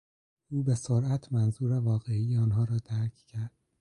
او به سرعت منظور واقعی آنها را درک کرد.